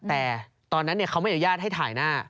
แต่ตอนนั้นเขาไม่อนุญาตให้ถ่ายหน้า